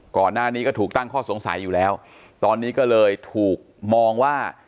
ก่อนหน้านี้ก็ถูกตั้งข้อสงสัยอยู่แล้วตอนนี้ก็เลยถูกมองว่า